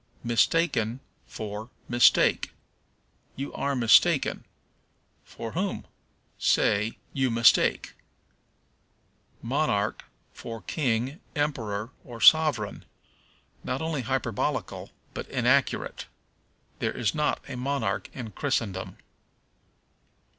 Mistaken for Mistake. "You are mistaken." For whom? Say, You mistake. Monarch for King, Emperor, or Sovereign. Not only hyperbolical, but inaccurate. There is not a monarch in Christendom.